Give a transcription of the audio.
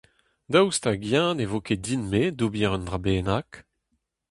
Daoust hag-eñ ne vo ket din-me d'ober un dra bennak ?